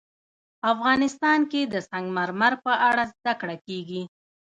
افغانستان کې د سنگ مرمر په اړه زده کړه کېږي.